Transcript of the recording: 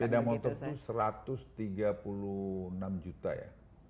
sepeda motor itu satu ratus tiga puluh enam juta ya